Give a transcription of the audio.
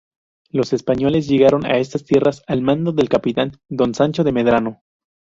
Los españoles llegaron a estas tierras al mando del capitán Don Sancho de Medrano.